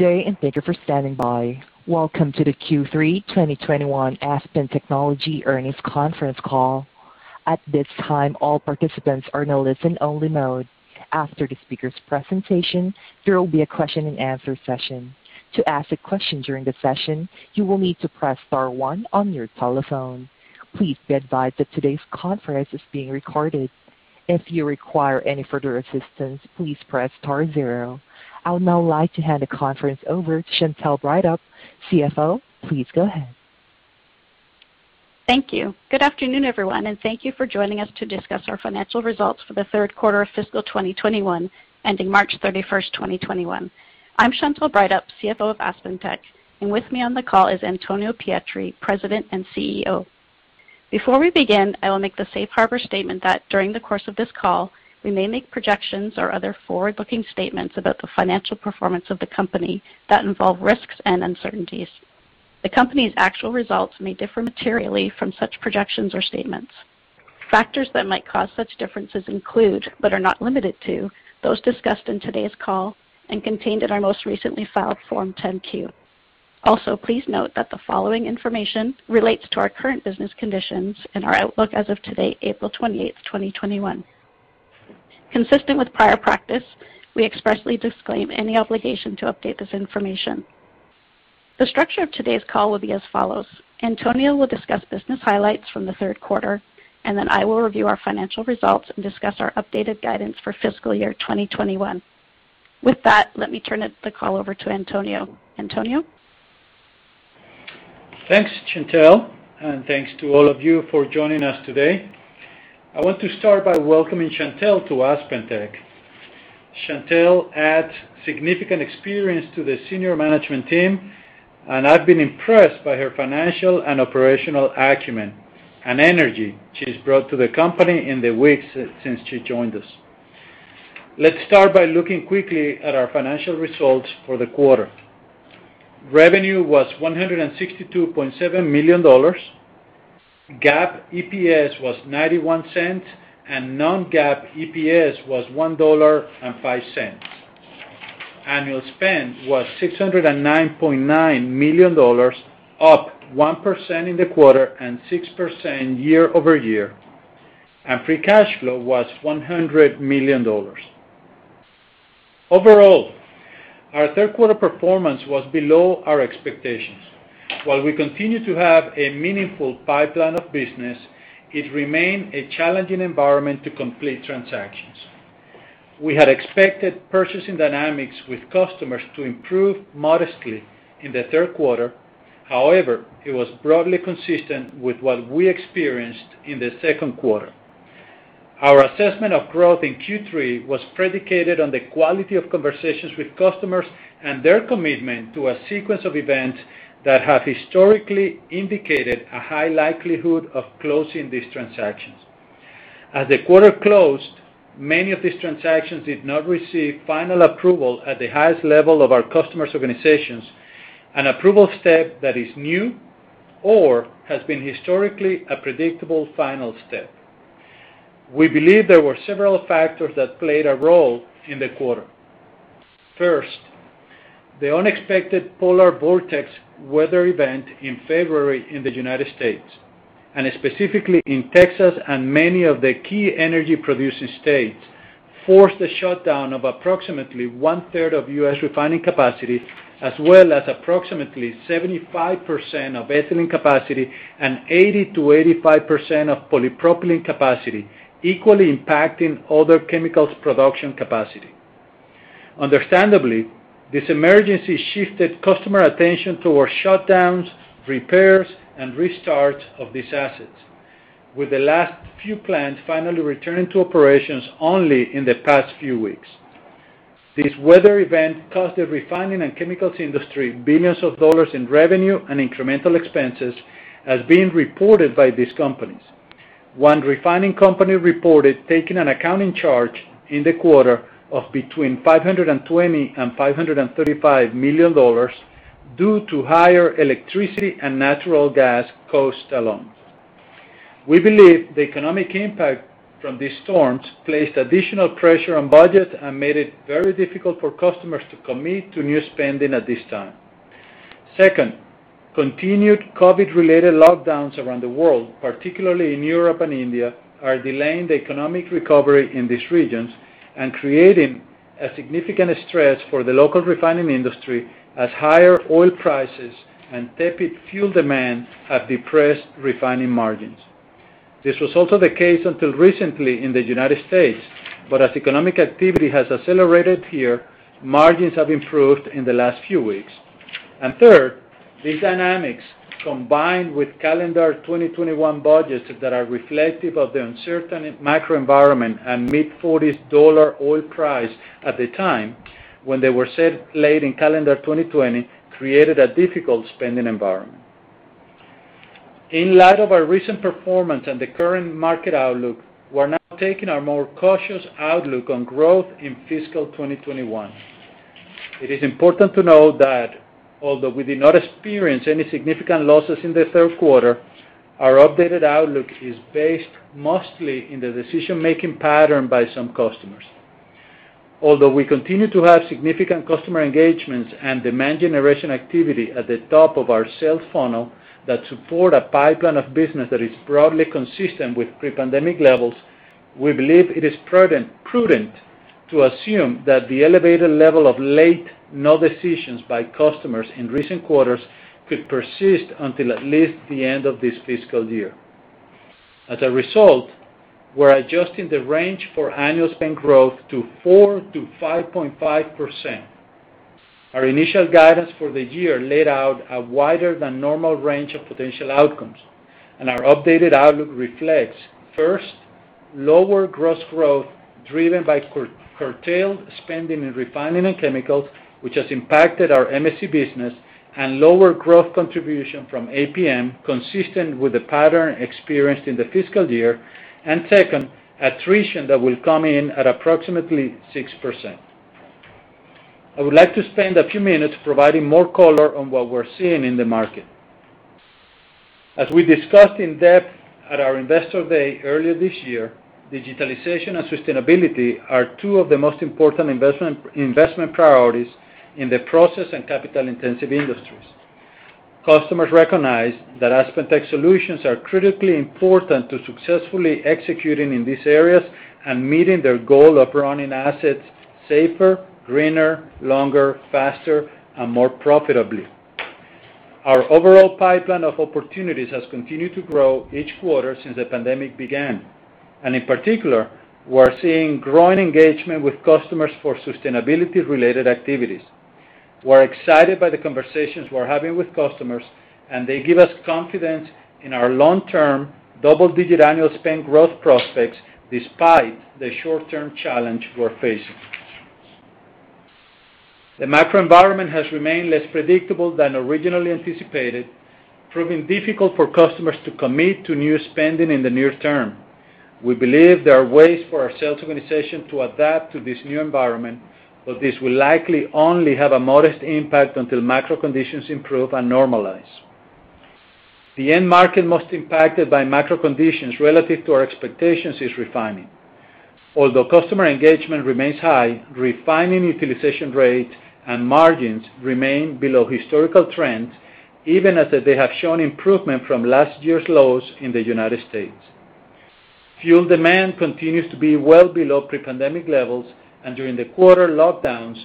Good day. Thank you for standing by. Welcome to the Q3 2021 Aspen Technology earnings conference call. At this time, all participants are in a listen-only mode. After the speakers' presentation, there will be a question-and-answer session. To ask a question during the session, you will need to press star one on your telephone. Please be advised that today's conference is being recorded. If you require any further assistance, please press star zero. I would now like to hand the conference over to Chantelle Breithaupt, CFO. Please go ahead. Thank you. Good afternoon, everyone, and thank you for joining us to discuss our financial results for the third quarter of fiscal 2021 ending March 31st, 2021. I'm Chantelle Breithaupt, CFO of AspenTech, and with me on the call is Antonio Pietri, President and CEO. Before we begin, I will make the safe harbor statement that during the course of this call, we may make projections or other forward-looking statements about the financial performance of the company that involve risks and uncertainties. The company's actual results may differ materially from such projections or statements. Factors that might cause such differences include, but are not limited to, those discussed in today's call and contained in our most recently filed Form 10-Q. Please note that the following information relates to our current business conditions and our outlook as of today, April 28th, 2021. Consistent with prior practice, we expressly disclaim any obligation to update this information. The structure of today's call will be as follows. Antonio will discuss business highlights from the third quarter, and then I will review our financial results and discuss our updated guidance for fiscal year 2021. With that, let me turn the call over to Antonio. Antonio? Thanks, Chantelle, and thanks to all of you for joining us today. I want to start by welcoming Chantelle to AspenTech. Chantelle adds significant experience to the senior management team, and I've been impressed by her financial and operational acumen and energy she's brought to the company in the weeks since she joined us. Let's start by looking quickly at our financial results for the quarter. Revenue was $162.7 million. GAAP EPS was $0.91, and non-GAAP EPS was $1.05. Annual spend was $609.9 million, up 1% in the quarter and 6% year-over-year. Free cash flow was $100 million. Overall, our third quarter performance was below our expectations. While we continue to have a meaningful pipeline of business, it remained a challenging environment to complete transactions. We had expected purchasing dynamics with customers to improve modestly in the third quarter. However, it was broadly consistent with what we experienced in the second quarter. Our assessment of growth in Q3 was predicated on the quality of conversations with customers and their commitment to a sequence of events that have historically indicated a high likelihood of closing these transactions. As the quarter closed, many of these transactions did not receive final approval at the highest level of our customers' organizations, an approval step that is new or has been historically a predictable final step. We believe there were several factors that played a role in the quarter. First, the unexpected polar vortex weather event in February in the U.S., and specifically in Texas and many of the key energy-producing states, forced the shutdown of approximately one-third of U.S. refining capacity, as well as approximately 75% of ethylene capacity and 80%-85% of polypropylene capacity, equally impacting other chemicals production capacity. Understandably, this emergency shifted customer attention towards shutdowns, repairs, and restarts of these assets, with the last few plants finally returning to operations only in the past few weeks. This weather event cost the refining and chemicals industry billions of dollars in revenue and incremental expenses as being reported by these companies. One refining company reported taking an accounting charge in the quarter of between $520 million and $535 million due to higher electricity and natural gas costs alone. We believe the economic impact from these storms placed additional pressure on budget and made it very difficult for customers to commit to new spending at this time. Second, continued COVID-related lockdowns around the world, particularly in Europe and India, are delaying the economic recovery in these regions and creating a significant stress for the local refining industry as higher oil prices and tepid fuel demand have depressed refining margins. This was also the case until recently in the U.S., as economic activity has accelerated here, margins have improved in the last few weeks. Third, these dynamics, combined with calendar 2021 budgets that are reflective of the uncertain macro environment and mid-$40s oil price at the time when they were set late in calendar 2020, created a difficult spending environment. In light of our recent performance and the current market outlook, we're now taking a more cautious outlook on growth in fiscal 2021. It is important to note that although we did not experience any significant losses in the third quarter. Our updated outlook is based mostly in the decision-making pattern by some customers. Although we continue to have significant customer engagements and demand generation activity at the top of our sales funnel that support a pipeline of business that is broadly consistent with pre-pandemic levels, we believe it is prudent to assume that the elevated level of late/no decisions by customers in recent quarters could persist until at least the end of this fiscal year. As a result, we're adjusting the range for annual spend growth to 4%-5.5%. Our initial guidance for the year laid out a wider than normal range of potential outcomes, and our updated outlook reflects, first, lower gross growth driven by curtailed spending in refining and chemicals, which has impacted our MSC business, and lower growth contribution from APM, consistent with the pattern experienced in the fiscal year. Second, attrition that will come in at approximately 6%. I would like to spend a few minutes providing more color on what we're seeing in the market. As we discussed in depth at our Investor Day earlier this year, digitalization and sustainability are two of the most important investment priorities in the process and capital-intensive industries. Customers recognize that AspenTech solutions are critically important to successfully executing in these areas and meeting their goal of running assets safer, greener, longer, faster, and more profitably. Our overall pipeline of opportunities has continued to grow each quarter since the pandemic began. In particular, we're seeing growing engagement with customers for sustainability-related activities. We're excited by the conversations we're having with customers, and they give us confidence in our long-term double-digit annual spend growth prospects, despite the short-term challenge we're facing. The macro environment has remained less predictable than originally anticipated, proving difficult for customers to commit to new spending in the near term. We believe there are ways for our sales organization to adapt to this new environment, but this will likely only have a modest impact until macro conditions improve and normalize. The end market most impacted by macro conditions relative to our expectations is refining. Although customer engagement remains high, refining utilization rates and margins remain below historical trends, even as they have shown improvement from last year's lows in the United States. Fuel demand continues to be well below pre-pandemic levels, and during the quarter, lockdowns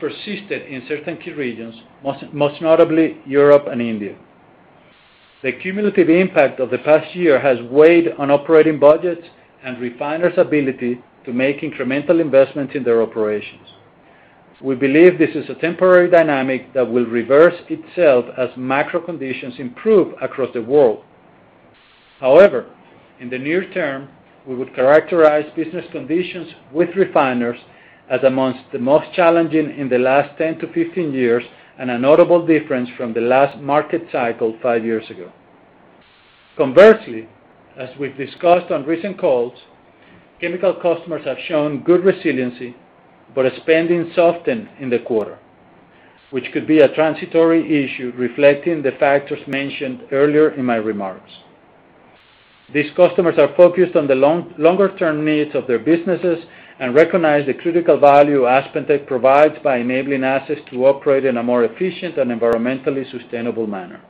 persisted in certain key regions, most notably Europe and India. The cumulative impact of the past year has weighed on operating budgets and refiners' ability to make incremental investments in their operations. We believe this is a temporary dynamic that will reverse itself as macro conditions improve across the world. However, in the near term, we would characterize business conditions with refiners as amongst the most challenging in the last 10 to 15 years and a notable difference from the last market cycle five years ago. Conversely, as we've discussed on recent calls, chemical customers have shown good resiliency, but spending softened in the quarter, which could be a transitory issue reflecting the factors mentioned earlier in my remarks. These customers are focused on the longer-term needs of their businesses and recognize the critical value AspenTech provides by enabling assets to operate in a more efficient and environmentally sustainable manner.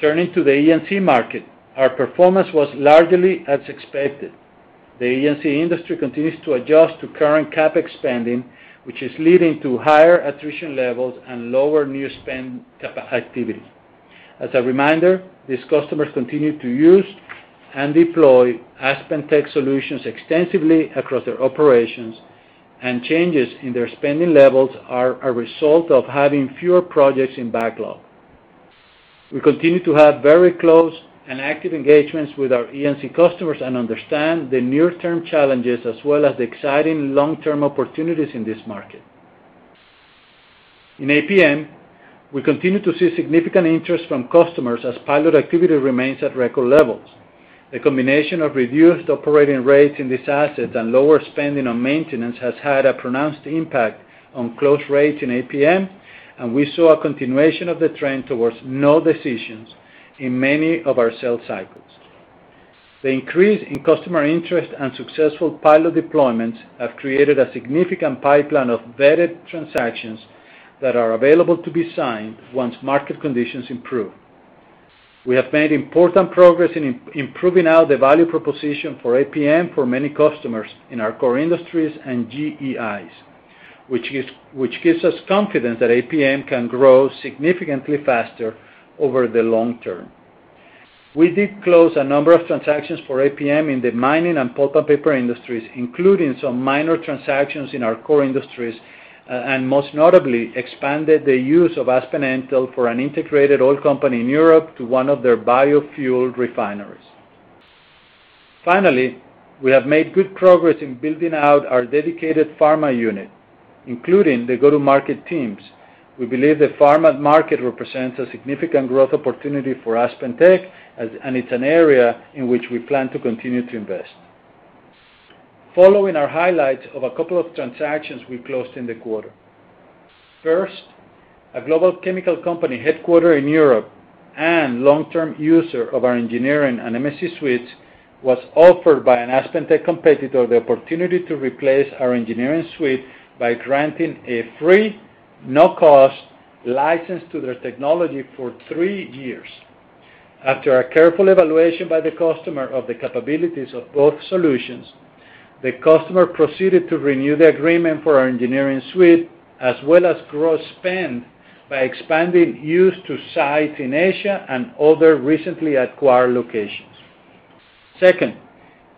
Turning to the E&C market, our performance was largely as expected. The E&C industry continues to adjust to current CapEx spending, which is leading to higher attrition levels and lower new spend activity. As a reminder, these customers continue to use and deploy AspenTech solutions extensively across their operations, and changes in their spending levels are a result of having fewer projects in backlog. We continue to have very close and active engagements with our E&C customers and understand the near-term challenges as well as the exciting long-term opportunities in this market. In APM, we continue to see significant interest from customers as pilot activity remains at record levels. The combination of reduced operating rates in these assets and lower spending on maintenance has had a pronounced impact on close rates in APM, and we saw a continuation of the trend towards no decisions in many of our sales cycles. The increase in customer interest and successful pilot deployments have created a significant pipeline of vetted transactions that are available to be signed once market conditions improve. We have made important progress in improving the value proposition for APM for many customers in our core industries and GEIs, which gives us confidence that APM can grow significantly faster over the long term. We did close a number of transactions for APM in the mining and pulp and paper industries, including some minor transactions in our core industries, and most notably expanded the use of Aspen Mtell for an integrated oil company in Europe to one of their biofuel refineries. Finally, we have made good progress in building out our dedicated pharma unit, including the go-to-market teams. We believe the pharma market represents a significant growth opportunity for AspenTech, and it's an area in which we plan to continue to invest. Following our highlights of a couple of transactions we closed in the quarter. First, a global chemical company headquartered in Europe and long-term user of our engineering and MSC suites was offered by an AspenTech competitor the opportunity to replace our engineering suite by granting a free no-cost license to their technology for three years. After a careful evaluation by the customer of the capabilities of both solutions, the customer proceeded to renew the agreement for our engineering suite, as well as grow spend by expanding use to sites in Asia and other recently acquired locations. Second,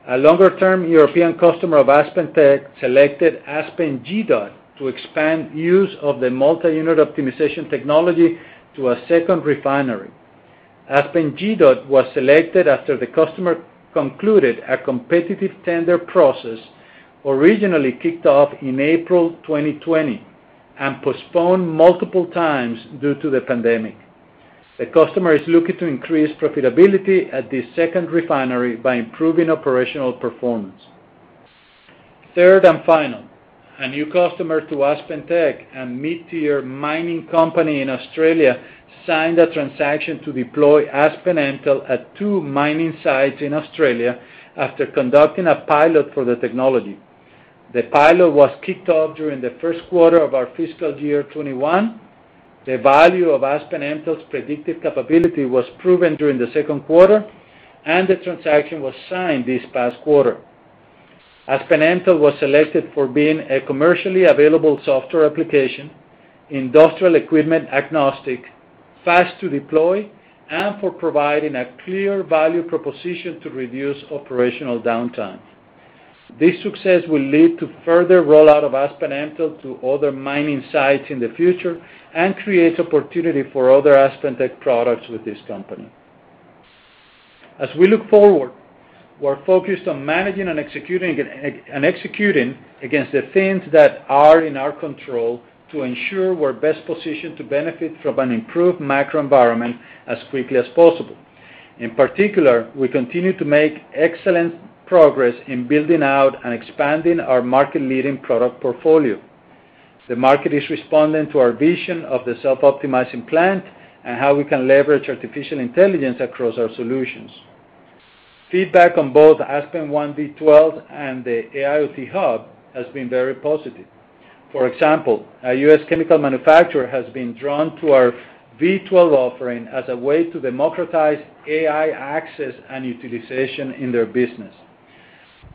a longer-term European customer of AspenTech selected Aspen GDOT to expand use of the multi-unit optimization technology to a second refinery. Aspen GDOT was selected after the customer concluded a competitive tender process originally kicked off in April 2020 and postponed multiple times due to the pandemic. The customer is looking to increase profitability at this second refinery by improving operational performance. Third and final, a new customer to AspenTech, a mid-tier mining company in Australia, signed a transaction to deploy Aspen Mtell at two mining sites in Australia after conducting a pilot for the technology. The pilot was kicked off during the first quarter of our fiscal year 2021. The value of Aspen Mtell's predictive capability was proven during the second quarter, and the transaction was signed this past quarter. Aspen Mtell was selected for being a commercially available software application, industrial equipment-agnostic, fast to deploy, and for providing a clear value proposition to reduce operational downtime. This success will lead to further rollout of Aspen Mtell to other mining sites in the future and creates opportunity for other AspenTech products with this company. We're focused on managing and executing against the things that are in our control to ensure we're best positioned to benefit from an improved macro environment as quickly as possible. In particular, we continue to make excellent progress in building out and expanding our market-leading product portfolio. The market is responding to our vision of the Self-Optimizing Plant and how we can leverage artificial intelligence across our solutions. Feedback on both aspenONE V12 and the AIoT Hub has been very positive. For example, a U.S. chemical manufacturer has been drawn to our V12 offering as a way to democratize AI access and utilization in their business.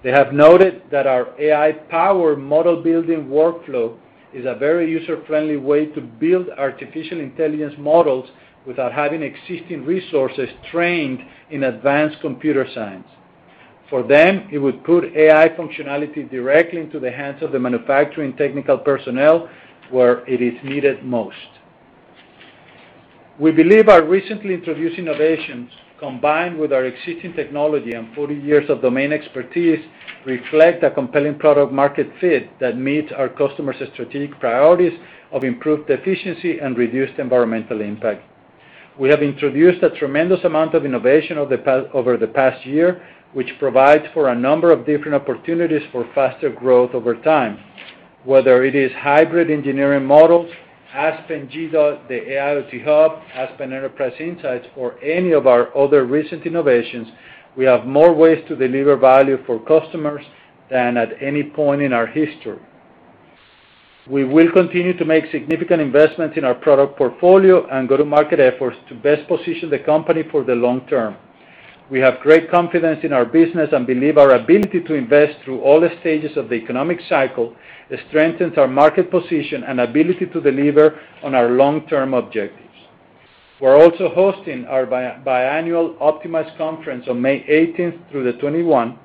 They have noted that our AI-powered model building workflow is a very user-friendly way to build artificial intelligence models without having existing resources trained in advanced computer science. For them, it would put AI functionality directly into the hands of the manufacturing technical personnel where it is needed most. We believe our recently introduced innovations, combined with our existing technology and 40 years of domain expertise, reflect a compelling product market fit that meets our customers' strategic priorities of improved efficiency and reduced environmental impact. We have introduced a tremendous amount of innovation over the past year, which provides for a number of different opportunities for faster growth over time. Whether it is hybrid engineering models, Aspen GDOT, the AIoT Hub, Aspen Enterprise Insights, or any of our other recent innovations, we have more ways to deliver value for customers than at any point in our history. We will continue to make significant investments in our product portfolio and go-to-market efforts to best position the company for the long term. We have great confidence in our business and believe our ability to invest through all the stages of the economic cycle strengthens our market position and ability to deliver on our long-term objectives. We're also hosting our biannual OPTIMIZE conference on May 18th through the 21,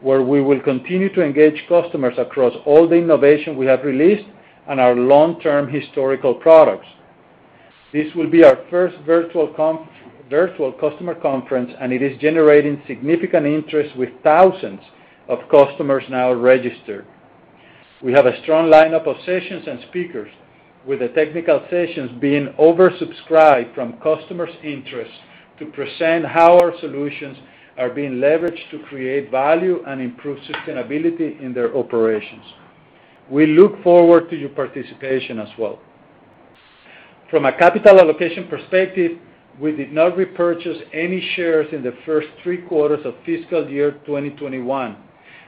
where we will continue to engage customers across all the innovation we have released and our long-term historical products. This will be our first virtual customer conference, and it is generating significant interest with thousands of customers now registered. We have a strong lineup of sessions and speakers, with the technical sessions being oversubscribed from customers' interest to present how our solutions are being leveraged to create value and improve sustainability in their operations. We look forward to your participation as well. From a capital allocation perspective, we did not repurchase any shares in the first three quarters of fiscal year 2021,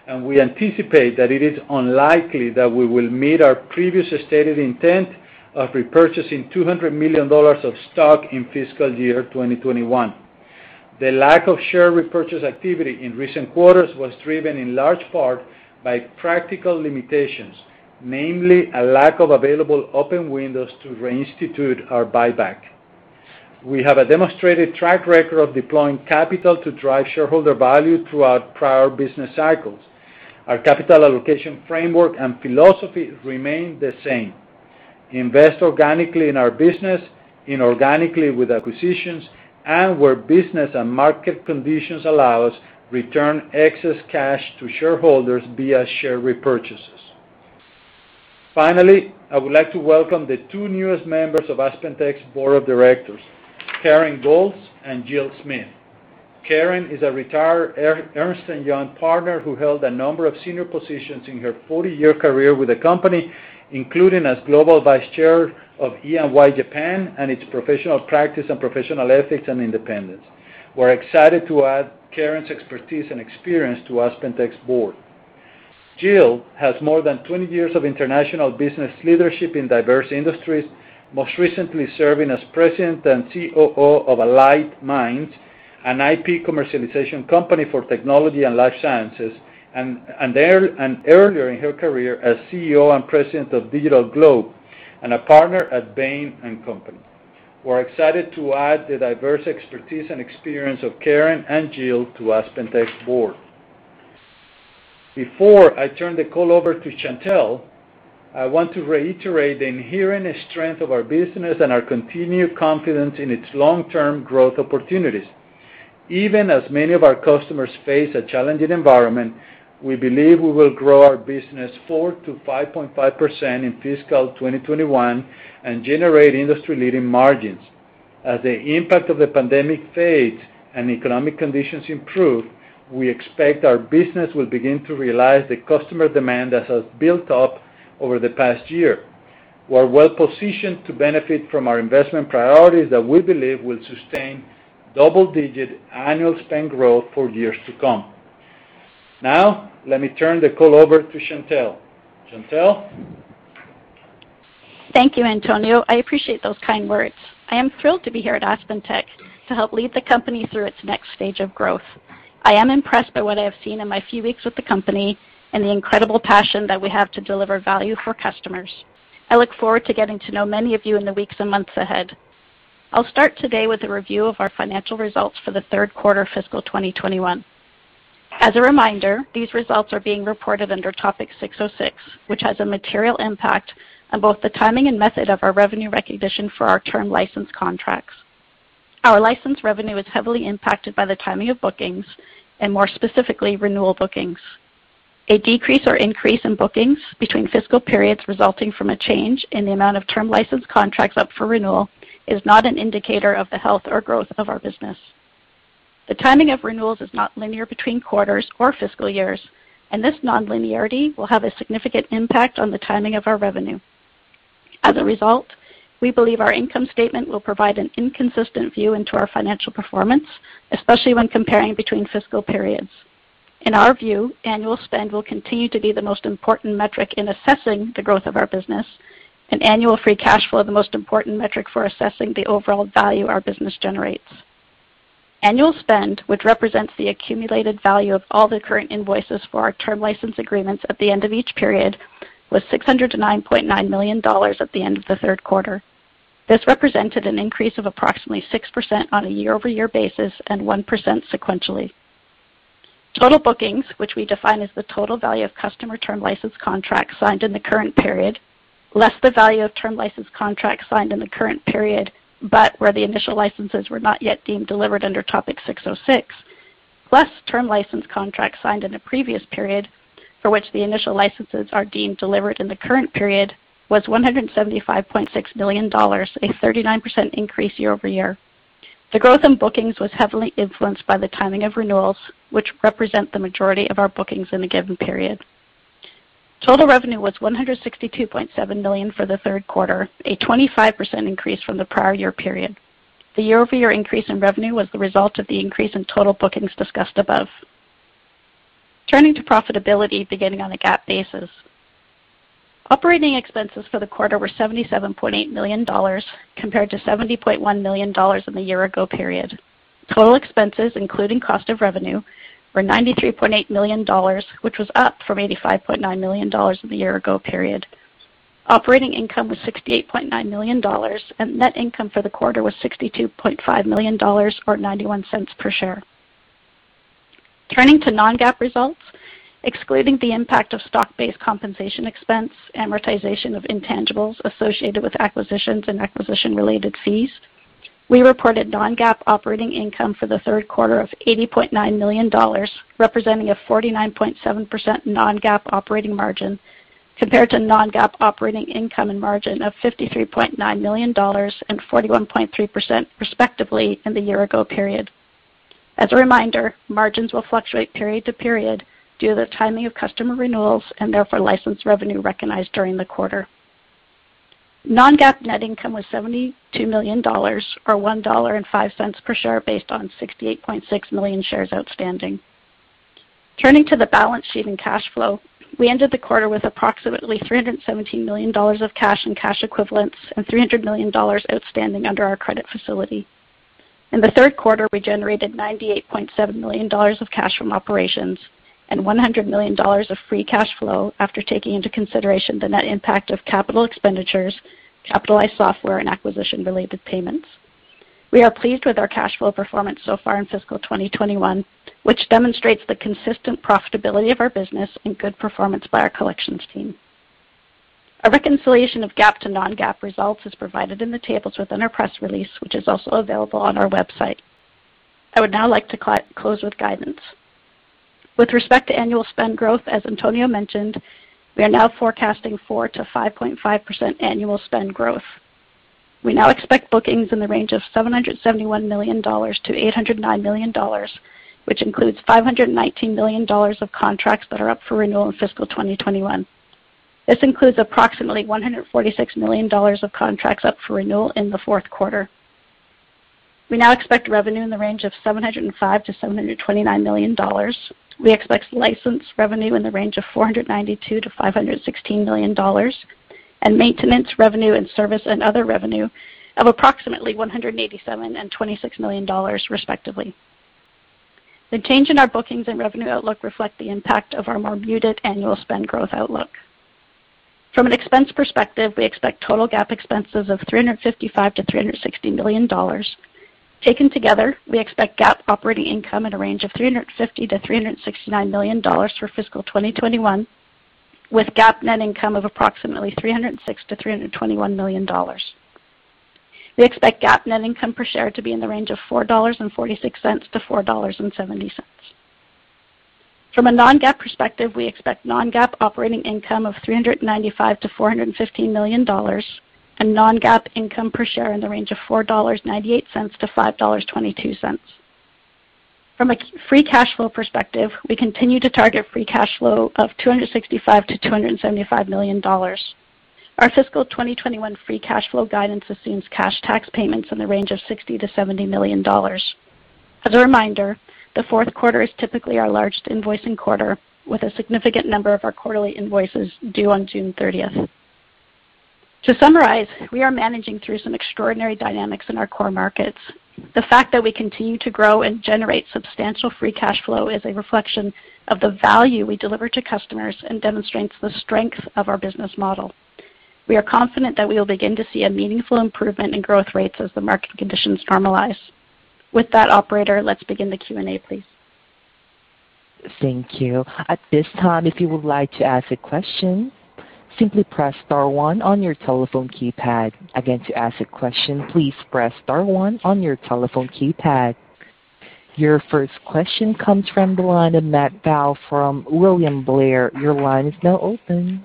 and we anticipate that it is unlikely that we will meet our previous stated intent of repurchasing $200 million of stock in fiscal year 2021. The lack of share repurchase activity in recent quarters was driven in large part by practical limitations, namely a lack of available open windows to reinstitute our buyback. We have a demonstrated track record of deploying capital to drive shareholder value throughout prior business cycles. Our capital allocation framework and philosophy remain the same. Invest organically in our business, inorganically with acquisitions, and where business and market conditions allow us, return excess cash to shareholders via share repurchases. Finally, I would like to welcome the two newest members of AspenTech's board of directors, Karen Golz and Jill Smith. Karen is a retired Ernst & Young partner who held a number of senior positions in her 40-year career with the company, including as Global Vice Chair of EY Japan and its professional practice and professional ethics and independence. We're excited to add Karen's expertise and experience to AspenTech's board. Jill has more than 20 years of international business leadership in diverse industries, most recently serving as President and COO of Allied Minds, an IP commercialization company for technology and life sciences, and earlier in her career as CEO and President of DigitalGlobe and a partner at Bain & Company. We're excited to add the diverse expertise and experience of Karen and Jill to AspenTech's board. Before I turn the call over to Chantelle, I want to reiterate the inherent strength of our business and our continued confidence in its long-term growth opportunities. Even as many of our customers face a challenging environment, we believe we will grow our business 4%-5.5% in fiscal 2021 and generate industry-leading margins. As the impact of the pandemic fades and economic conditions improve, we expect our business will begin to realize the customer demand that has built up over the past year. We are well positioned to benefit from our investment priorities that we believe will sustain double-digit annual spend growth for years to come. Let me turn the call over to Chantelle. Chantelle? Thank you, Antonio. I appreciate those kind words. I am thrilled to be here at AspenTech to help lead the company through its next stage of growth. I am impressed by what I have seen in my few weeks with the company and the incredible passion that we have to deliver value for customers. I look forward to getting to know many of you in the weeks and months ahead. I'll start today with a review of our financial results for the third quarter of fiscal 2021. As a reminder, these results are being reported under ASC 606, which has a material impact on both the timing and method of our revenue recognition for our term license contracts. Our license revenue is heavily impacted by the timing of bookings, and more specifically, renewal bookings. A decrease or increase in bookings between fiscal periods resulting from a change in the amount of term license contracts up for renewal is not an indicator of the health or growth of our business. The timing of renewals is not linear between quarters or fiscal years, and this non-linearity will have a significant impact on the timing of our revenue. As a result, we believe our income statement will provide an inconsistent view into our financial performance, especially when comparing between fiscal periods. In our view, annual spend will continue to be the most important metric in assessing the growth of our business, and annual free cash flow the most important metric for assessing the overall value our business generates. Annual spend, which represents the accumulated value of all the current invoices for our term license agreements at the end of each period, was $609.9 million at the end of the third quarter. This represented an increase of approximately 6% on a year-over-year basis and 1% sequentially. Total bookings, which we define as the total value of customer term license contracts signed in the current period, less the value of term license contracts signed in the current period but where the initial licenses were not yet deemed delivered under ASC 606, plus term license contracts signed in a previous period for which the initial licenses are deemed delivered in the current period, was $175.6 million, a 39% increase year-over-year. The growth in bookings was heavily influenced by the timing of renewals, which represent the majority of our bookings in a given period. Total revenue was $162.7 million for the third quarter, a 25% increase from the prior year period. The year-over-year increase in revenue was the result of the increase in total bookings discussed above. Turning to profitability, beginning on a GAAP basis. Operating expenses for the quarter were $77.8 million, compared to $70.1 million in the year ago period. Total expenses, including cost of revenue, were $93.8 million, which was up from $85.9 million in the year ago period. Operating income was $68.9 million, and net income for the quarter was $62.5 million or $0.91 per share. Turning to non-GAAP results, excluding the impact of stock-based compensation expense, amortization of intangibles associated with acquisitions and acquisition-related fees, we reported non-GAAP operating income for the third quarter of $80.9 million, representing a 49.7% non-GAAP operating margin, compared to non-GAAP operating income and margin of $53.9 million and 41.3%, respectively, in the year ago period. As a reminder, margins will fluctuate period to period due to the timing of customer renewals and therefore license revenue recognized during the quarter. Non-GAAP net income was $72 million, or $1.05 per share based on 68.6 million shares outstanding. Turning to the balance sheet and cash flow. We ended the quarter with approximately $317 million of cash and cash equivalents and $300 million outstanding under our credit facility. In the third quarter, we generated $98.7 million of cash from operations and $100 million of free cash flow after taking into consideration the net impact of capital expenditures, capitalized software, and acquisition-related payments. We are pleased with our cash flow performance so far in fiscal 2021, which demonstrates the consistent profitability of our business and good performance by our collections team. A reconciliation of GAAP to non-GAAP results is provided in the tables within our press release, which is also available on our website. I would now like to close with guidance. With respect to annual spend growth, as Antonio mentioned, we are now forecasting 4%-5.5% annual spend growth. We now expect bookings in the range of $771 million-$809 million, which includes $519 million of contracts that are up for renewal in fiscal 2021. This includes approximately $146 million of contracts up for renewal in the fourth quarter. We now expect revenue in the range of $705 million-$729 million. We expect license revenue in the range of $492 million-$516 million, and maintenance revenue and service and other revenue of approximately $187 million and $26 million respectively. The change in our bookings and revenue outlook reflect the impact of our more muted annual spend growth outlook. From an expense perspective, we expect total GAAP expenses of $355 million-$360 million. Taken together, we expect GAAP operating income at a range of $350 million-$369 million for fiscal 2021, with GAAP net income of approximately $306 million-$321 million. We expect GAAP net income per share to be in the range of $4.46-$4.70. From a non-GAAP perspective, we expect non-GAAP operating income of $395 million-$415 million, and non-GAAP income per share in the range of $4.98-$5.22. From a free cash flow perspective, we continue to target free cash flow of $265 million-$275 million. Our fiscal 2021 free cash flow guidance assumes cash tax payments in the range of $60 million-$70 million. As a reminder, the fourth quarter is typically our largest invoicing quarter, with a significant number of our quarterly invoices due on June 30th. To summarize, we are managing through some extraordinary dynamics in our core markets. The fact that we continue to grow and generate substantial free cash flow is a reflection of the value we deliver to customers and demonstrates the strength of our business model. We are confident that we will begin to see a meaningful improvement in growth rates as the market conditions normalize. With that, Operator, let's begin the Q&A, please. Thank you. At this time, if you would like to ask a question, simply press star one on your telephone keypad. Again, to ask a question, please press star one on your telephone keypad. Your first question comes from the line of Matt Bell from William Blair. Your line is now open.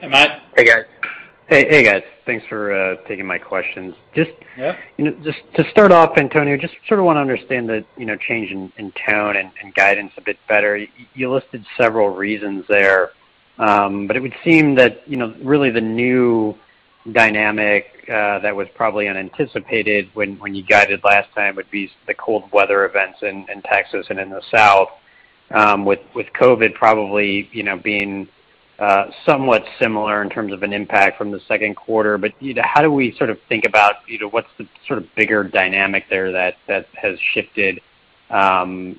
Hey, Matt. Hey, guys. Thanks for taking my questions. Yeah. Just to start off, Antonio, just sort of want to understand the change in tone and guidance a bit better. You listed several reasons there, but it would seem that really the new dynamic that was probably unanticipated when you guided last time would be the cold weather events in Texas and in the South, with COVID probably being somewhat similar in terms of an impact from the second quarter. How do we sort of think about what's the sort of bigger dynamic there that has shifted some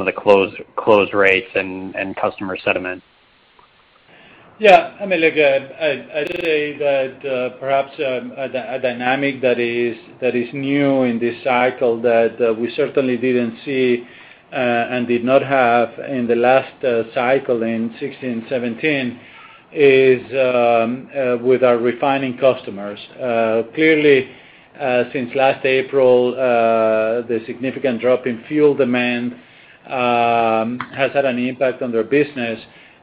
of the close rates and customer sentiment? Yeah. I'd say that perhaps a dynamic that is new in this cycle that we certainly didn't see and did not have in the last cycle in 2016 2017, is with our refining customers. Clearly, since last April, the significant drop in fuel demand has had an impact on their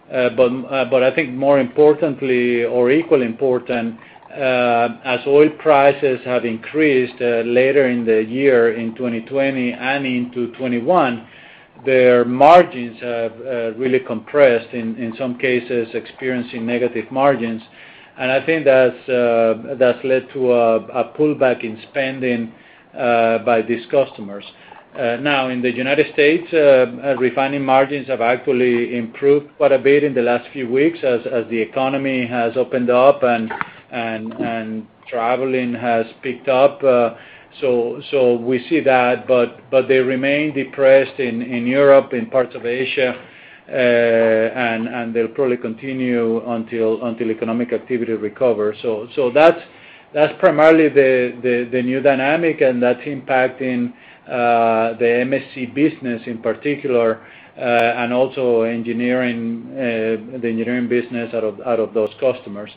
business. I think more importantly or equally important, as oil prices have increased later in the year in 2020 and into 2021, their margins have really compressed, in some cases experiencing negative margins. I think that's led to a pullback in spending by these customers. Now, in the U.S., refining margins have actually improved quite a bit in the last few weeks as the economy has opened up and traveling has picked up. We see that, but they remain depressed in Europe, in parts of Asia, and they'll probably continue until economic activity recovers. That's primarily the new dynamic, and that's impacting the MSC business in particular, and also the engineering business out of those customers.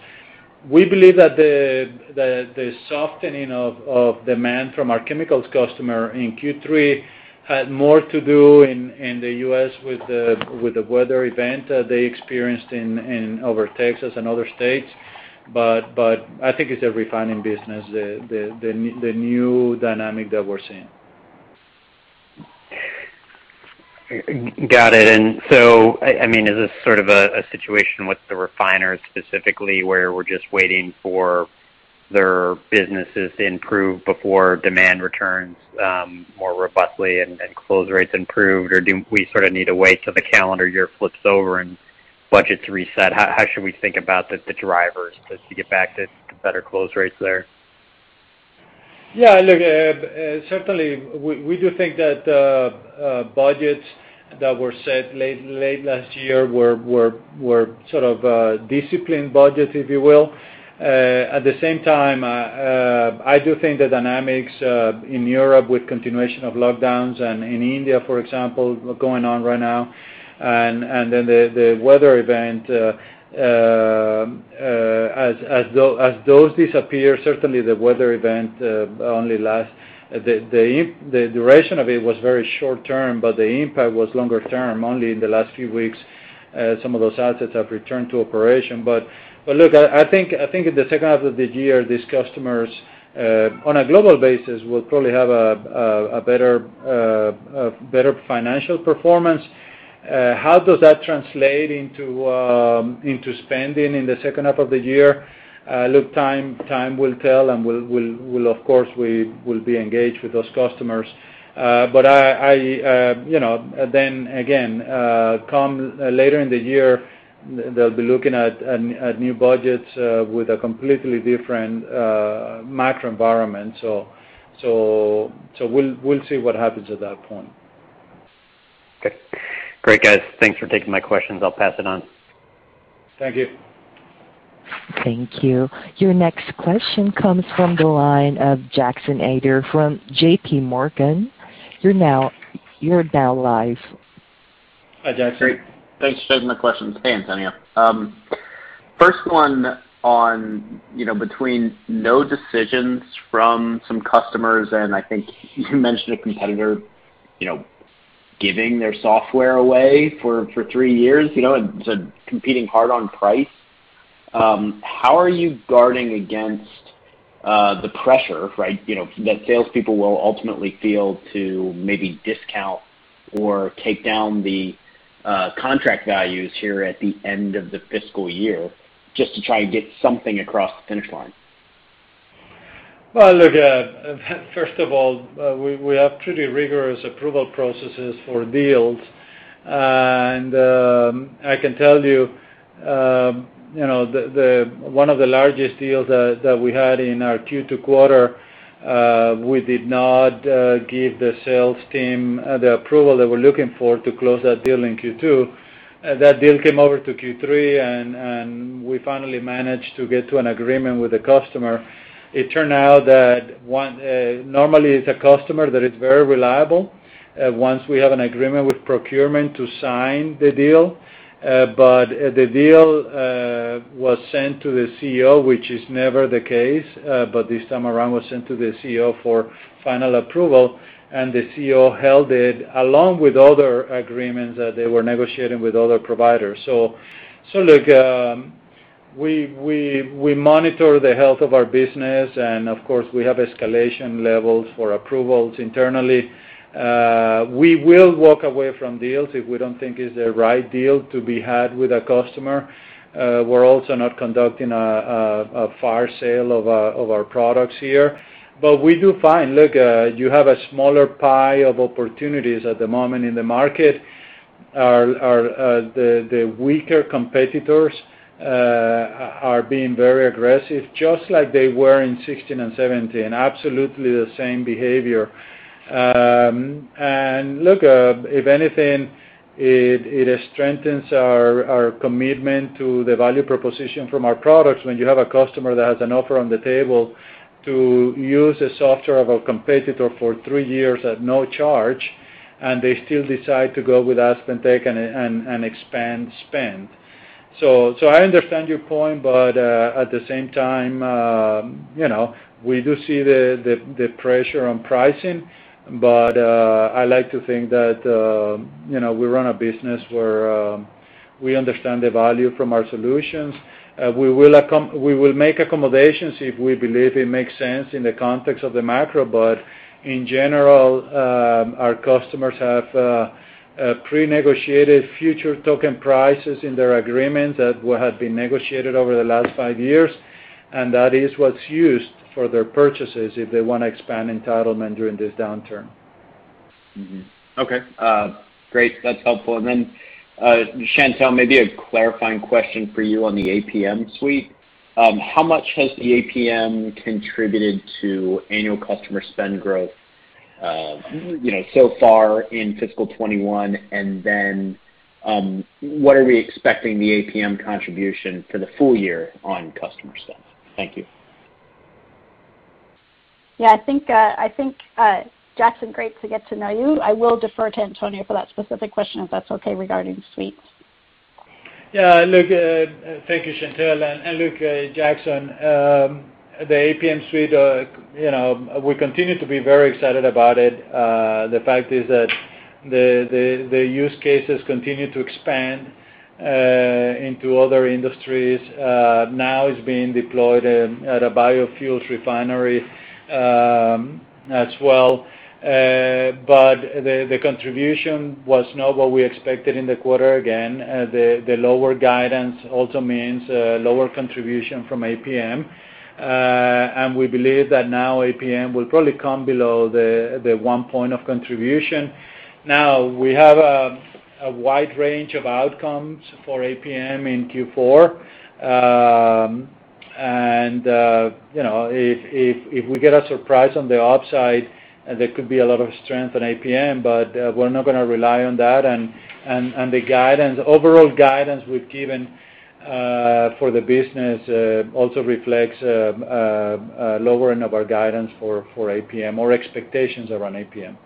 We believe that the softening of demand from our chemicals customer in Q3 had more to do in the U.S. with the weather event they experienced over Texas and other states. I think it's the refining business, the new dynamic that we're seeing. Got it. Is this sort of a situation with the refiners specifically where we're just waiting for their businesses to improve before demand returns more robustly and close rates improve? Do we sort of need to wait till the calendar year flips over and budgets reset? How should we think about the drivers to get back to better close rates there? Yeah, look, certainly, we do think that budgets that were set late last year were sort of disciplined budgets, if you will. At the same time, I do think the dynamics in Europe with continuation of lockdowns and in India, for example, going on right now. The weather event, as those disappear. The duration of it was very short-term, but the impact was longer-term. Only in the last few weeks, some of those assets have returned to operation. Look, I think in the second half of this year, these customers, on a global basis, will probably have a better financial performance. How does that translate into spending in the second half of the year? Look, time will tell, and we'll, of course, be engaged with those customers. Again, come later in the year, they'll be looking at new budgets with a completely different macro environment. We'll see what happens at that point. Okay. Great, guys. Thanks for taking my questions. I'll pass it on. Thank you. Thank you. Your next question comes from the line of Jackson Ader from JPMorgan. You're now live. Hi, Jackson. Great. Thanks for taking my questions. Hey, Antonio. First one on, between no decisions from some customers and I think you mentioned a competitor giving their software away for three years, and so competing hard on price. How are you guarding against the pressure, right, that salespeople will ultimately feel to maybe discount or take down the contract values here at the end of the fiscal year, just to try and get something across the finish line? Well, look, first of all, we have pretty rigorous approval processes for deals. I can tell you, one of the largest deals that we had in our Q2 quarter, we did not give the sales team the approval they were looking for to close that deal in Q2. That deal came over to Q3, and we finally managed to get to an agreement with the customer. It turned out that normally it's a customer that is very reliable once we have an agreement with procurement to sign the deal. The deal was sent to the CEO, which is never the case, but this time around, was sent to the CEO for final approval, and the CEO held it along with other agreements that they were negotiating with other providers. Look, we monitor the health of our business and of course, we have escalation levels for approvals internally. We will walk away from deals if we don't think it's the right deal to be had with a customer. We're also not conducting a fire sale of our products here. We do find, look, you have a smaller pie of opportunities at the moment in the market. The weaker competitors are being very aggressive, just like they were in 2016 and 2017. Absolutely the same behavior. Look, if anything, it strengthens our commitment to the value proposition from our products when you have a customer that has an offer on the table to use a software of a competitor for three years at no charge, and they still decide to go with AspenTech and expand spend. I understand your point, but at the same time, we do see the pressure on pricing. I like to think that we run a business where we understand the value from our solutions. We will make accommodations if we believe it makes sense in the context of the macro, but in general, our customers have prenegotiated future token prices in their agreements that have been negotiated over the last five years, and that is what's used for their purchases if they want to expand entitlement during this downturn. Okay. Great. That's helpful. Chantelle, maybe a clarifying question for you on the APM suite. How much has the APM contributed to annual customer spend growth so far in fiscal 2021? What are we expecting the APM contribution for the full year on customer spend? Thank you. Yeah, I think, Jackson, great to get to know you. I will defer to Antonio for that specific question, if that's okay, regarding suites. Thank you, Chantelle, look, Jackson, the APM suite, we continue to be very excited about it. The fact is that the use cases continue to expand into other industries. It's being deployed at a biofuels refinery as well. The contribution was not what we expected in the quarter. Again, the lower guidance also means lower contribution from APM. We believe that APM will probably come below the one point of contribution. We have a wide range of outcomes for APM in Q4. If we get a surprise on the upside, there could be a lot of strength in APM, we're not going to rely on that. The overall guidance we've given for the business also reflects a lowering of our guidance for APM or expectations around APM.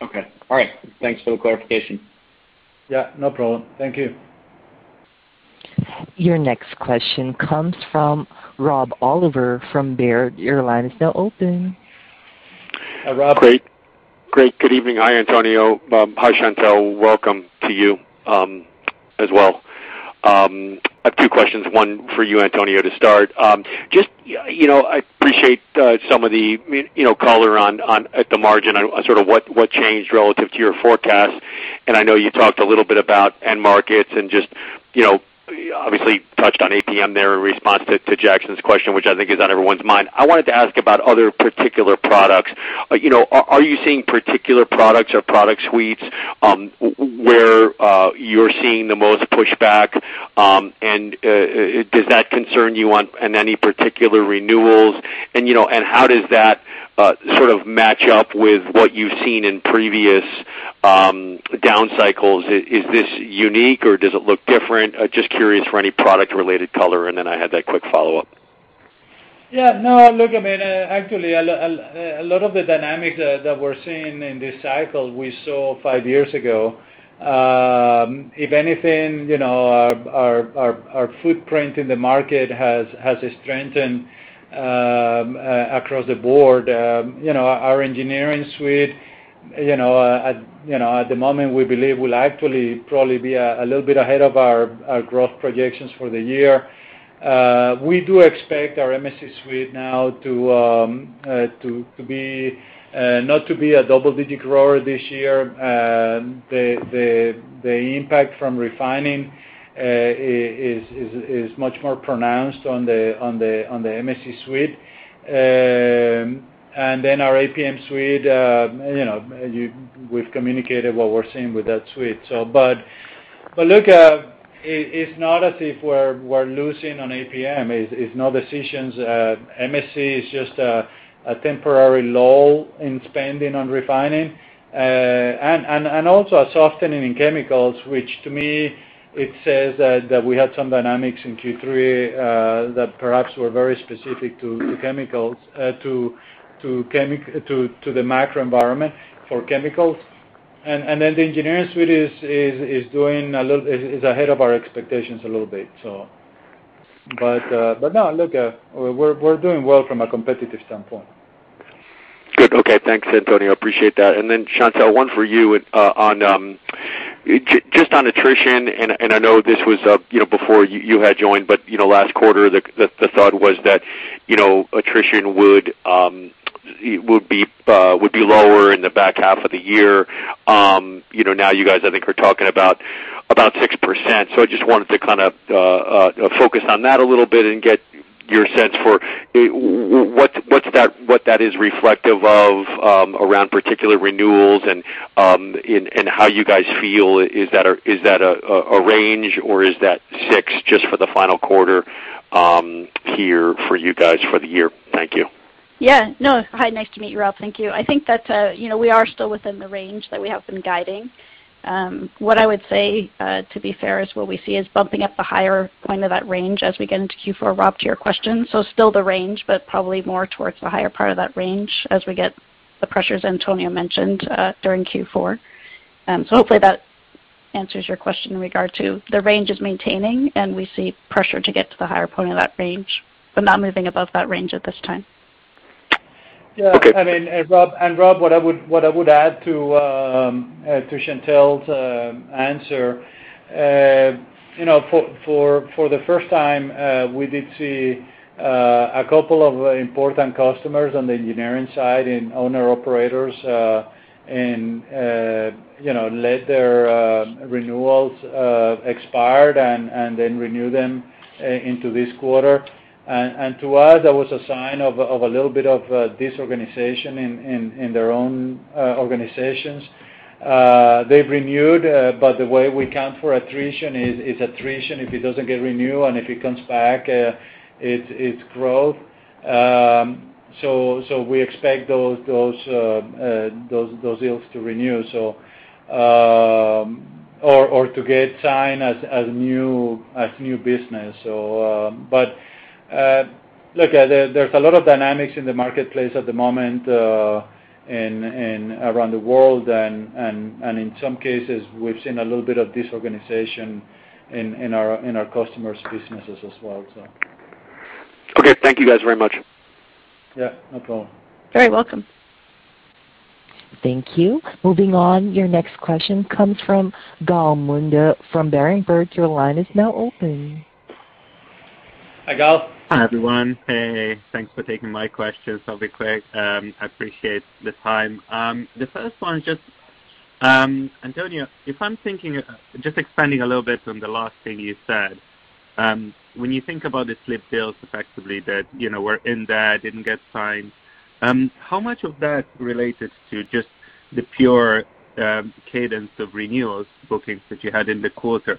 Okay. All right. Thanks for the clarification. Yeah, no problem. Thank you. Your next question comes from Rob Oliver from Baird. Your line is now open. Hi, Rob. Great. Good evening. Hi, Antonio. Hi, Chantelle. Welcome to you as well. I have two questions, one for you, Antonio, to start. I appreciate some of the color at the margin on sort of what changed relative to your forecast. I know you talked a little bit about end markets and just obviously touched on APM there in response to Jackson's question, which I think is on everyone's mind. I wanted to ask about other particular products. Are you seeing particular products or product suites where you're seeing the most pushback? Does that concern you on any particular renewals? How does that sort of match up with what you've seen in previous down cycles? Is this unique, or does it look different? Just curious for any product-related color, and then I had that quick follow-up. Yeah, no. Look, actually, a lot of the dynamics that we're seeing in this cycle we saw five years ago. If anything, our footprint in the market has strengthened across the board. Our engineering suite, at the moment, we believe will actually probably be a little bit ahead of our growth projections for the year. We do expect our MSC suite now not to be a double-digit grower this year. The impact from refining is much more pronounced on the MSC suite. Our APM suite, we've communicated what we're seeing with that suite. Look, it's not as if we're losing on APM. It's not decisions. MSC is just a temporary lull in spending on refining. A softening in chemicals, which to me, it says that we had some dynamics in Q3 that perhaps were very specific to the macro environment for chemicals. The engineering suite is ahead of our expectations a little bit. No, look, we're doing well from a competitive standpoint. Good. Okay, thanks, Antonio. Appreciate that. Chantelle, one for you. Just on attrition, and I know this was up before you had joined, but last quarter, the thought was that attrition would be lower in the back half of the year. Now you guys, I think, are talking about 6%. I just wanted to kind of focus on that a little bit and get your sense for what that is reflective of around particular renewals and how you guys feel. Is that a range, or is that six just for the final quarter here for you guys for the year? Thank you. No. Hi, nice to meet you, Rob. Thank you. I think that we are still within the range that we have been guiding. What I would say, to be fair, is what we see is bumping up the higher point of that range as we get into Q4, Rob, to your question. Still the range, but probably more towards the higher part of that range as we get the pressures Antonio mentioned during Q4. Hopefully that answers your question in regard to the range is maintaining, and we see pressure to get to the higher point of that range, but not moving above that range at this time. Yeah. Rob, what I would add to Chantelle's answer, for the first time, we did see a couple of important customers on the engineering side and owner-operators let their renewals expire and then renew them into this quarter. To us, that was a sign of a little bit of disorganization in their own organizations. They've renewed, but the way we count for attrition is attrition if it doesn't get renewed, and if it comes back, it's growth. We expect those deals to renew or to get signed as new business. Look, there's a lot of dynamics in the marketplace at the moment around the world, and in some cases, we've seen a little bit of disorganization in our customers' businesses as well, so. Okay. Thank you guys very much. Yeah, no problem. Very welcome. Thank you. Moving on, your next question comes from Gal Munda from Berenberg. Hi, Gal. Hi, everyone. Hey, thanks for taking my questions. I'll be quick. I appreciate the time. The first one is just, Antonio, just expanding a little bit on the last thing you said. When you think about the slipped deals effectively that were in there, didn't get signed, how much of that related to just the pure cadence of renewals bookings that you had in the quarter?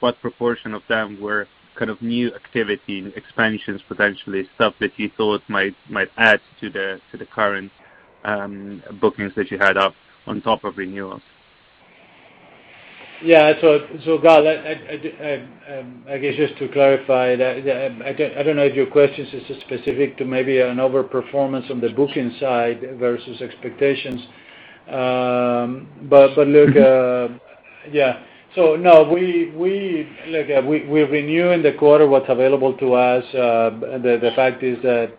What proportion of them were kind of new activity and expansions, potentially stuff that you thought might add to the current bookings that you had up on top of renewals. Yeah. Gal, I guess just to clarify that, I don't know if your question is just specific to maybe an over-performance on the booking side versus expectations. Look, yeah. No, we're renewing the quarter what's available to us. The fact is that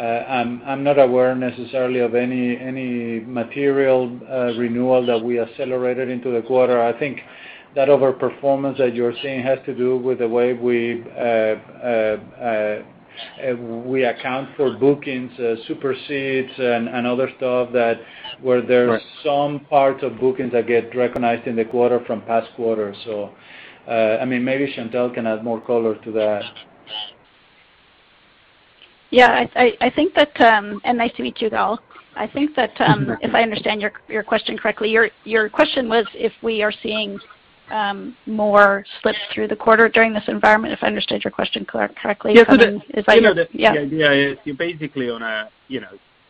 I'm not aware necessarily of any material renewal that we accelerated into the quarter. I think that over-performance that you're seeing has to do with the way we account for bookings, supersedes and other stuff. Right Some parts of bookings that get recognized in the quarter from past quarters. Maybe Chantelle can add more color to that. Yeah. Nice to meet you, Gal. I think if I understand your question correctly, your question was if we are seeing more slips through the quarter during this environment, if I understood your question correctly. Yeah. Is that? Yeah. The idea is you're basically,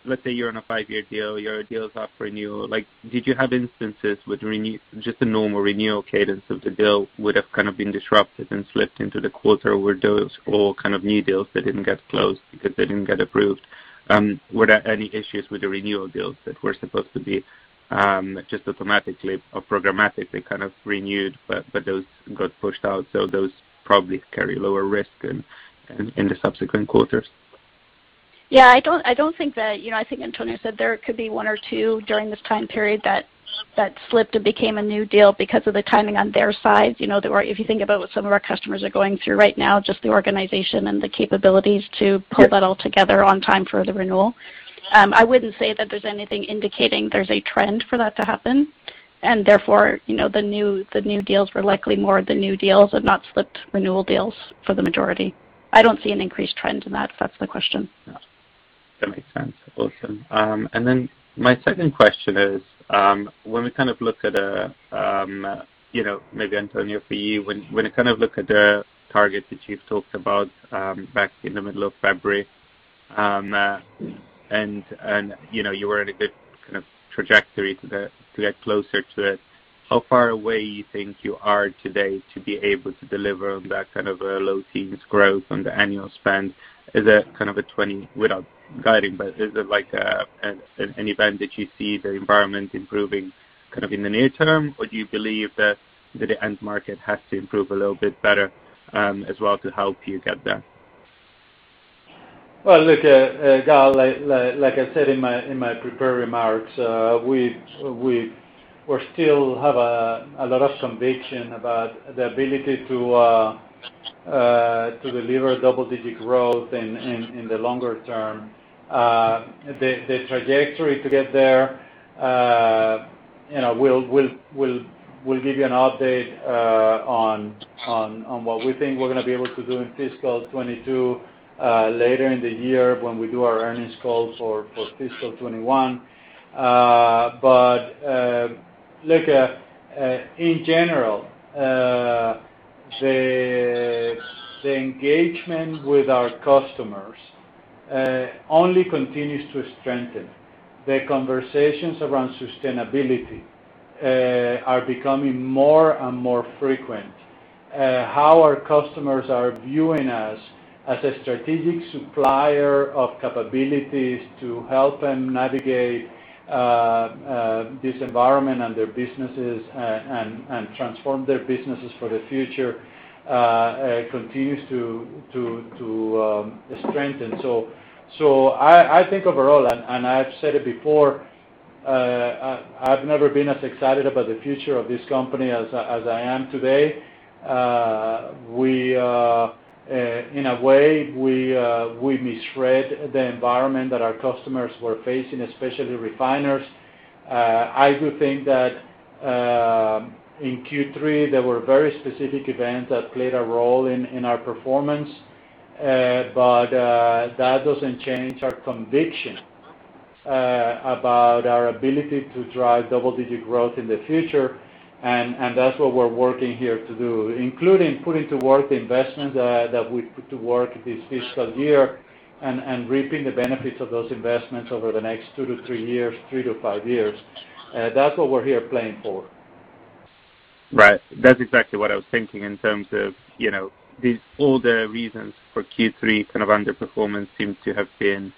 let's say you're on a five-year deal. Your deal is up for renewal. Did you have instances with just a normal renewal cadence of the deal would have kind of been disrupted and slipped into the quarter? Were those all kind of new deals that didn't get closed because they didn't get approved? Were there any issues with the renewal deals that were supposed to be just automatically or programmatically kind of renewed, but those got pushed out, so those probably carry lower risk in the subsequent quarters? Yeah. I think Antonio said there could be one or two during this time period that slipped and became a new deal because of the timing on their side. If you think about what some of our customers are going through right now, just the organization and the capabilities to put that all together on time for the renewal. I wouldn't say that there's anything indicating there's a trend for that to happen, and therefore, the new deals were likely more the new deals and not slipped renewal deals for the majority. I don't see an increased trend in that, if that's the question. That makes sense. Awesome. My second question is, when we kind of look at, maybe Antonio, for you, when I kind of look at the target that you've talked about back in the middle of February, and you were in a good kind of trajectory to get closer to it, how far away you think you are today to be able to deliver that kind of low teens growth on the annual spend? Is that kind of a 20 without guiding, but is it like an event that you see the environment improving kind of in the near term, or do you believe that the end market has to improve a little bit better as well to help you get there? Well, look, Gal, like I said in my prepared remarks, we still have a lot of conviction about the ability to deliver double-digit growth in the longer term. The trajectory to get there, we'll give you an update on what we think we're going to be able to do in fiscal 2022, later in the year when we do our earnings call for fiscal 2021. Look, in general, the engagement with our customers only continues to strengthen. The conversations around sustainability are becoming more and more frequent. How our customers are viewing us as a strategic supplier of capabilities to help them navigate this environment and their businesses and transform their businesses for the future continues to strengthen. I think overall, and I've said it before, I've never been as excited about the future of this company as I am today. In a way, we misread the environment that our customers were facing, especially refiners. I do think that in Q3, there were very specific events that played a role in our performance. That doesn't change our conviction about our ability to drive double-digit growth in the future, and that's what we're working here to do, including putting to work the investment that we put to work this fiscal year and reaping the benefits of those investments over the next two to three years, three to five years. That's what we're here playing for. Right. That's exactly what I was thinking in terms of all the reasons for Q3 kind of underperformance seems to have been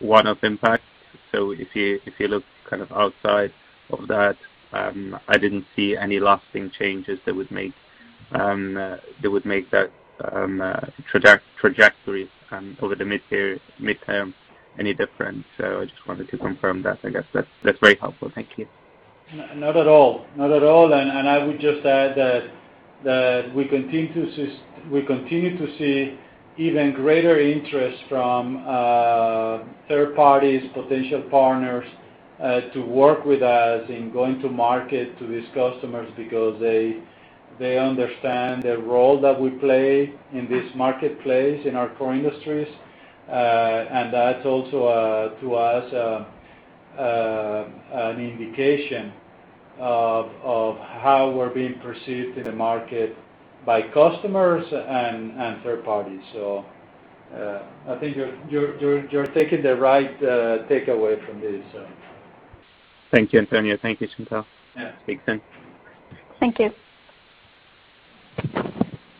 one-off impact. If you look kind of outside of that, I didn't see any lasting changes that would make that trajectory over the mid-term any different. I just wanted to confirm that, I guess. That's very helpful. Thank you. Not at all. I would just add that we continue to see even greater interest from third parties, potential partners, to work with us in going to market to these customers because they understand the role that we play in this marketplace, in our core industries. That's also, to us an indication of how we're being perceived in the market by customers and third parties. I think you're taking the right takeaway from this. Thank you, Antonio. Thank you, Chantelle. Yeah. Thanks. Thank you.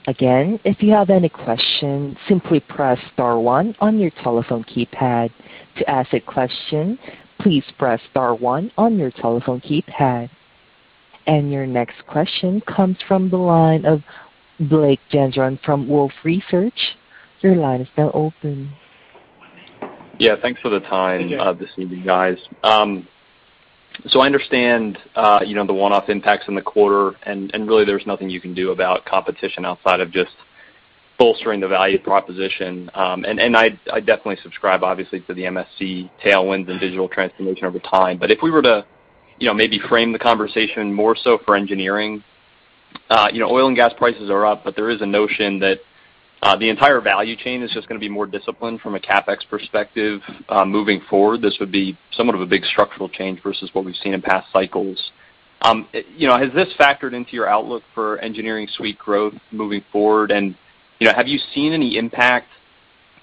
If you have any questions, simply press star one on your telephone keypad. To ask a question, please press star one on your telephone keypad. Your next question comes from the line of Blake Gendron from Wolfe Research. Yeah. Thanks for the time. Hey, Blake. this evening, guys. I understand the one-off impacts in the quarter, and really, there's nothing you can do about competition outside of just bolstering the value proposition. I definitely subscribe, obviously, to the MSC tailwinds and digital transformation over time. If we were to maybe frame the conversation more so for engineering, oil and gas prices are up, but there is a notion that the entire value chain is just going to be more disciplined from a CapEx perspective moving forward. This would be somewhat of a big structural change versus what we've seen in past cycles. Has this factored into your outlook for engineering suite growth moving forward? Have you seen any impact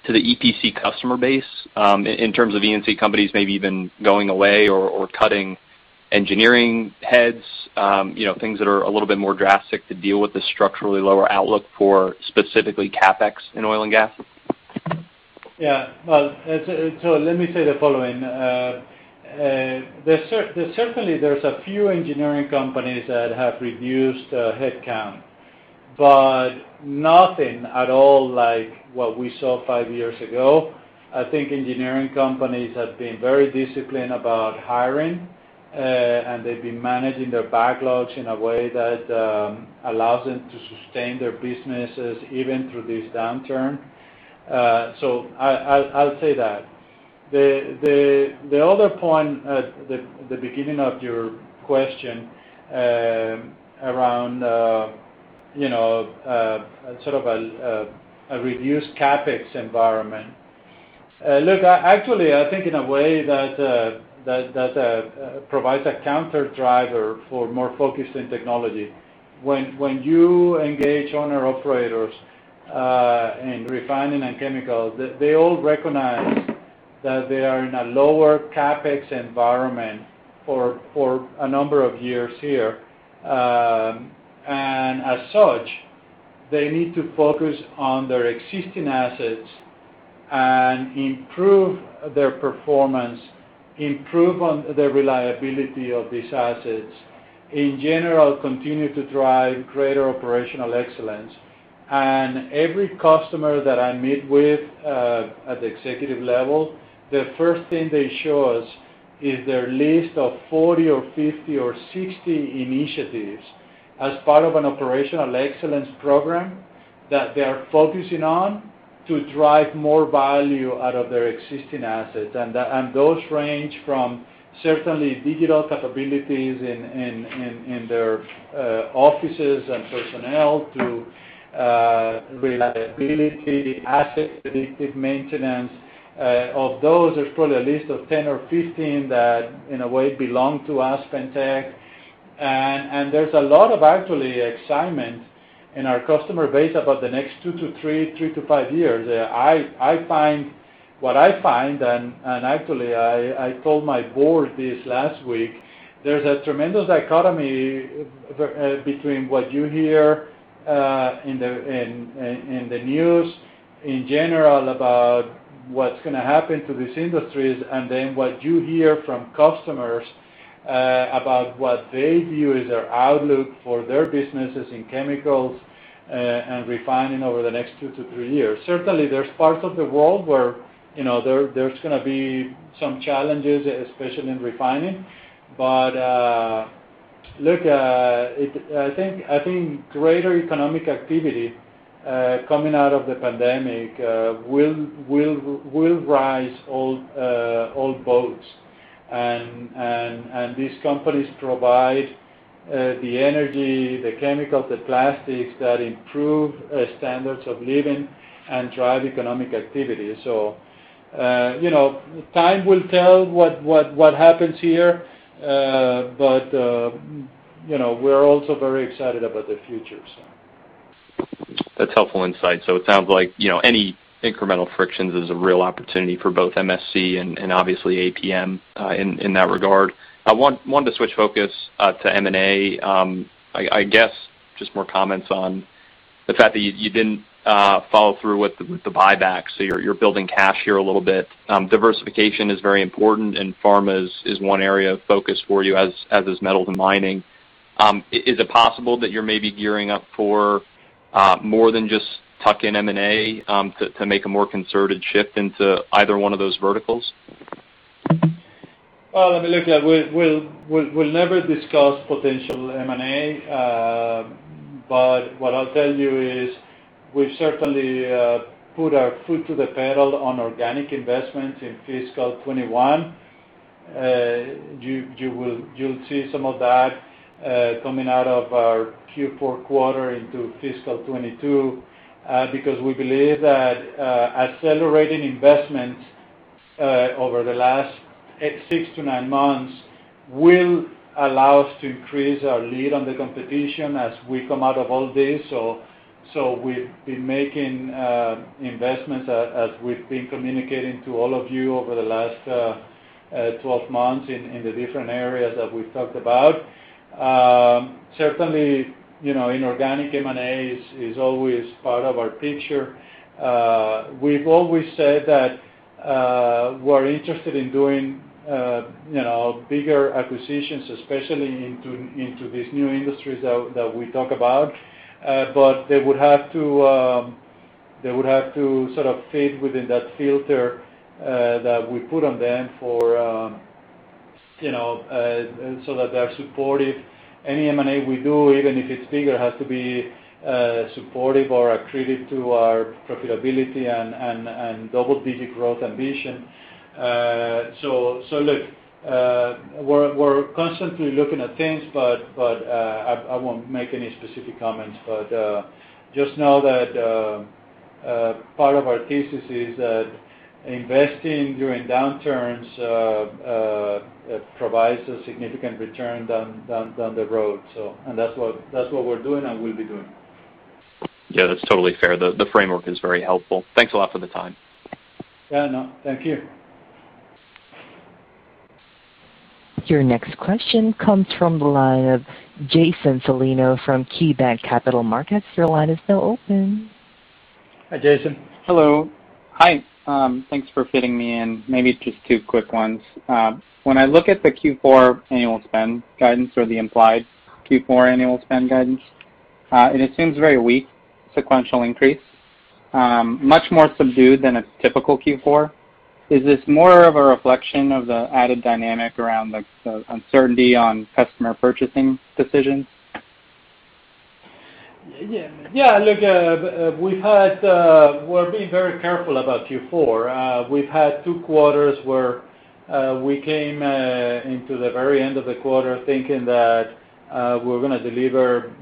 to the EPC customer base, in terms of E&C companies maybe even going away or cutting engineering heads, things that are a little bit more drastic to deal with the structurally lower outlook for specifically CapEx in oil and gas? Well, let me say the following. Certainly, there's a few engineering companies that have reduced headcount, but nothing at all like what we saw five years ago. I think engineering companies have been very disciplined about hiring, and they've been managing their backlogs in a way that allows them to sustain their businesses even through this downturn. I'll say that. The other point at the beginning of your question around a reduced CapEx environment, look, actually, I think in a way that provides a counter driver for more focus in technology. When you engage owner-operators in refining and chemicals, they all recognize that they are in a lower CapEx environment for a number of years here. As such, they need to focus on their existing assets and improve their performance, improve on the reliability of these assets. In general, continue to drive greater operational excellence. Every customer that I meet with at the executive level, the first thing they show us is their list of 40 or 50 or 60 initiatives as part of an operational excellence program that they are focusing on to drive more value out of their existing assets. Those range from certainly digital capabilities in their offices and personnel to reliability, asset predictive maintenance. Of those, there's probably a list of 10 or 15 that, in a way, belong to AspenTech. There's a lot of, actually, excitement in our customer base about the next two to three, two to five years. What I find, and actually, I told my board this last week, there's a tremendous dichotomy between what you hear in the news in general about what's going to happen to these industries, and then what you hear from customers about what they view as their outlook for their businesses in chemicals and refining over the next two to three years. Certainly, there's parts of the world where there's going to be some challenges, especially in refining. Look, I think greater economic activity coming out of the pandemic will rise all boats. These companies provide the energy, the chemicals, the plastics that improve standards of living and drive economic activity. Time will tell what happens here. We're also very excited about the future. That's helpful insight. It sounds like any incremental frictions is a real opportunity for both MSC and obviously APM in that regard. I wanted to switch focus to M&A. I guess just more comments on the fact that you didn't follow through with the buyback, so you're building cash here a little bit. Diversification is very important, and pharma is one area of focus for you, as is metal and mining. Is it possible that you're maybe gearing up for more than just tuck-in M&A to make a more concerted shift into either one of those verticals? Well, look, we'll never discuss potential M&A. What I'll tell you is we've certainly put our foot to the pedal on organic investment in fiscal 2021. You'll see some of that coming out of our Q4 into fiscal 2022, because we believe that accelerating investments over the last six to nine months will allow us to increase our lead on the competition as we come out of all this. We've been making investments as we've been communicating to all of you over the last 12 months in the different areas that we've talked about. Certainly, inorganic M&A is always part of our picture. We've always said that we're interested in doing bigger acquisitions, especially into these new industries that we talk about. They would have to sort of fit within that filter that we put on them so that they are supportive. Any M&A we do, even if it's bigger, has to be supportive or accretive to our profitability and double-digit growth ambition. Look, we're constantly looking at things, but I won't make any specific comments. Just know that part of our thesis is that investing during downturns provides a significant return down the road. That's what we're doing and will be doing. Yeah, that's totally fair. The framework is very helpful. Thanks a lot for the time. Yeah, no, thank you. Your next question comes from the line of Jason Celino from KeyBanc Capital Markets. Hi, Jason. Hello. Hi, thanks for fitting me in. Maybe just two quick ones. When I look at the Q4 annual spend guidance or the implied Q4 annual spend guidance, and it seems very weak sequential increase, much more subdued than a typical Q4. Is this more of a reflection of the added dynamic around the uncertainty on customer purchasing decisions? Yeah, look, we're being very careful about Q4. We've had two quarters where we came into the very end of the quarter thinking that we're going to deliver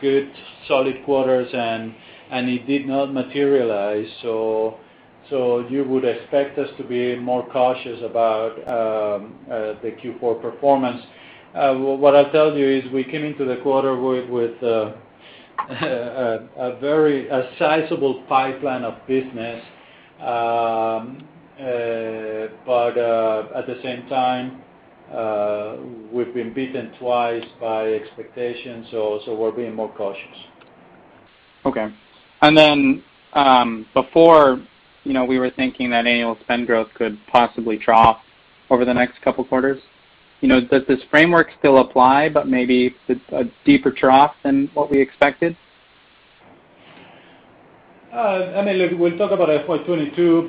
good solid quarters, and it did not materialize. You would expect us to be more cautious about the Q4 performance. What I'll tell you is we came into the quarter with a sizable pipeline of business. At the same time, we've been beaten twice by expectations, so we're being more cautious. Okay. Before, we were thinking that annual spend growth could possibly drop over the next couple quarters. Does this framework still apply, but maybe it's a deeper drop than what we expected? Look, we'll talk about FY 2022,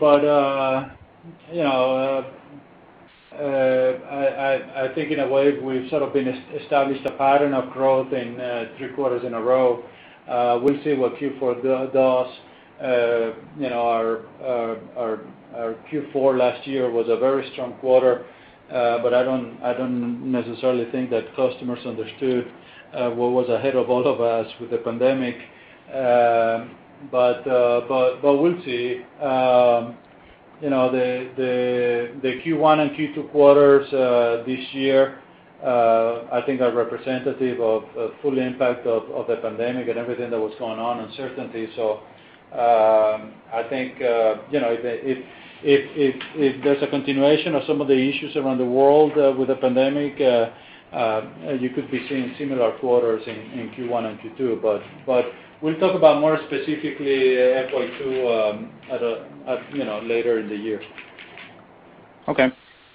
I think in a way, we've sort of established a pattern of growth in three quarters in a row. We'll see what Q4 does. Our Q4 last year was a very strong quarter. I don't necessarily think that customers understood what was ahead of all of us with the pandemic. We'll see. The Q1 and Q2 quarters this year, I think are representative of full impact of the pandemic and everything that was going on, uncertainty. I think if there's a continuation of some of the issues around the world with the pandemic, you could be seeing similar quarters in Q1 and Q2. We'll talk about more specifically FY 2022 later in the year. Okay.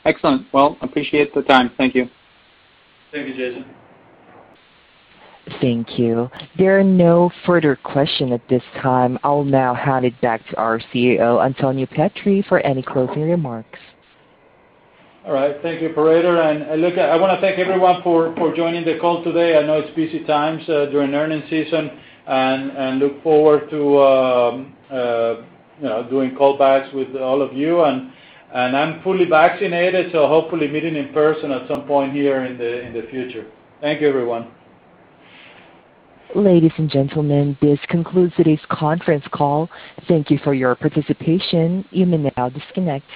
Excellent. Well, appreciate the time. Thank you. Thank you, Jason. Thank you. There are no further question at this time. I'll now hand it back to our CEO, Antonio Pietri, for any closing remarks. All right. Thank you, Operator. Look, I want to thank everyone for joining the call today. I know it's busy times during earnings season. Look forward to doing callbacks with all of you. I'm fully vaccinated, hopefully meeting in person at some point here in the future. Thank you, everyone. Ladies and gentlemen, this concludes today's conference call. Thank you for your participation. You may now disconnect.